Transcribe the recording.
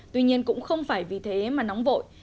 tuy nhiên cũng không phải vì thế mà nóng vội